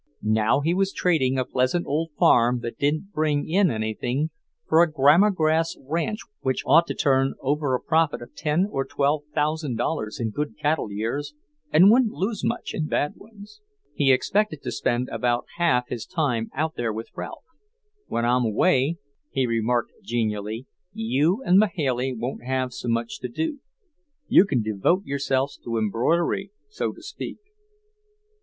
Now he was trading a pleasant old farm that didn't bring in anything for a grama grass ranch which ought to turn over a profit of ten or twelve thousand dollars in good cattle years, and wouldn't lose much in bad ones. He expected to spend about half his time out there with Ralph. "When I'm away," he remarked genially, "you and Mahailey won't have so much to do. You can devote yourselves to embroidery, so to speak."